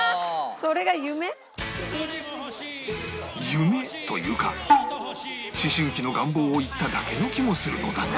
夢というか思春期の願望を言っただけの気もするのだが